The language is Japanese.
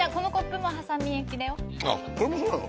みんなあっこれもそうなの？